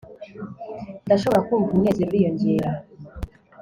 ndashobora kumva umunezero uriyongera